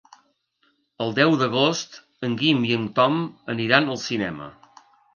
El deu d'agost en Guim i en Tom aniran al cinema.